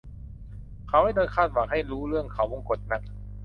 เขาไม่โดนคาดหวังให้รู้เรื่องเขาวงกตนัก